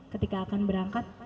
ketika akan berangkat